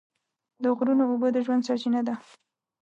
د غرونو اوبه د ژوند سرچینه ده.